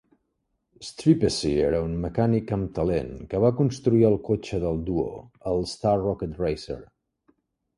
Stripesy era un mecànic amb talent que va construir el cotxe del duo, el Star Rocket Racer.